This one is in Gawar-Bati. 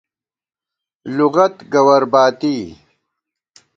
لُغت گوَرباتی